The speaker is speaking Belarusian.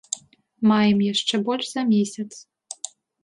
Маем яшчэ больш за месяц.